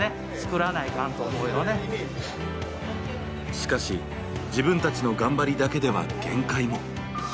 しかし自分たちの頑張りだけでは限界も。